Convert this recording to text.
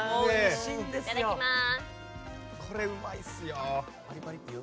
いただきます！